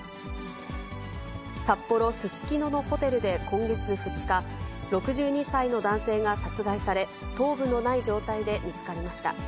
札幌・すすきののホテルで今月２日、６２歳の男性が殺害され、頭部のない状態で見つかりました。